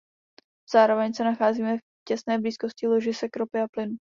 Zároveň se nacházíme v těsné blízkosti ložisek ropy a plynu.